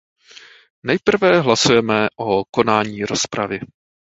Nejprve hlasujme o konání rozpravy.